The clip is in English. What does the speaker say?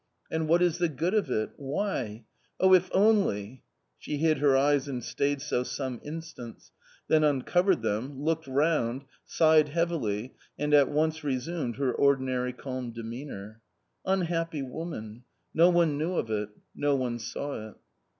" And what is the good of it ? why ! oh, if only n She hid her eyes and stayed so some instants, then uncovered them, looked round, sighed heavily and at once resumed her ordinary calm demeanour. Unhappy woman ! No one knew of it, no one saw it.